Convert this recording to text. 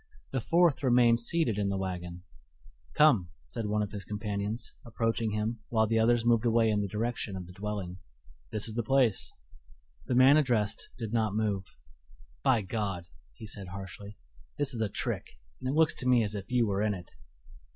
The fourth remained seated in the wagon. "Come," said one of his companions, approaching him, while the others moved away in the direction of the dwelling "this is the place." The man addressed did not move. "By God!" he said harshly, "this is a trick, and it looks to me as if you were in it."